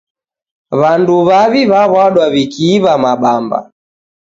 W'andu w'aw'i w'aw'adwa w'ikiiw'a mabamba.